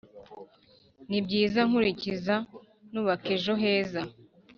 N'ibyiza nkurikiza nubaka ejo heza